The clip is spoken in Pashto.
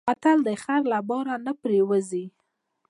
متل دی: خر له بار نه پرېوځي.